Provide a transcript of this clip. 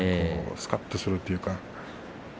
すかっとするというか。